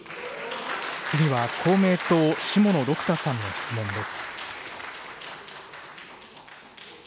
次は公明党、下野六太さんの質問です。